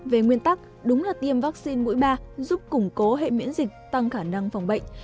về nguyên tắc đúng là tiêm vaccine mũi ba giúp củng cố hệ miễn dịch tăng khả năng phòng bệnh